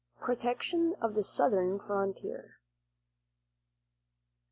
PROTECTION OF THE SOUTHERN FRONTIER.